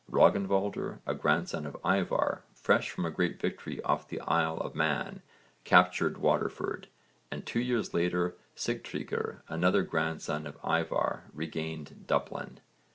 Rögnvaldr, a grandson of Ívarr, fresh from a great victory off the Isle of Man, captured Waterford, and two years later Sigtryggr, another grandson of Ívarr regained Dublin.